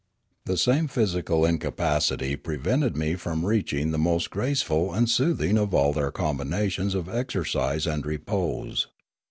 The same physical incapacity prevented me from reaching the most graceful and soothing of all their combinations of exercise and repose.